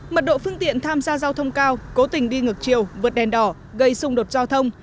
mật độ phương tiện tham gia giao thông cao cố tình đi ngược chiều vượt đèn đỏ gây xung đột giao thông